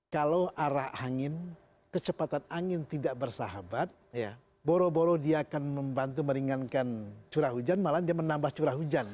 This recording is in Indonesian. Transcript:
kalau arah angin kecepatan angin tidak bersahabat boro boro dia akan membantu meringankan curah hujan malah dia menambah curah hujan